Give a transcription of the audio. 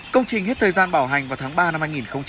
công trình hết thời gian bảo hành vào tháng ba năm hai nghìn hai mươi